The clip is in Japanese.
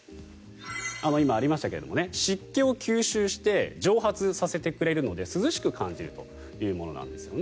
今ありましたけれど湿気を吸収して蒸発させてくれるので涼しく感じるというものなんですね。